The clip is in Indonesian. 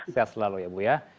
sehat selalu ya bu ya